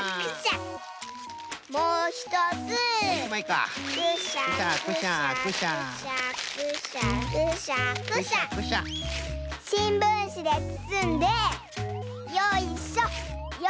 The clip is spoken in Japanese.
しんぶんしでつつんでよいしょよいしょ！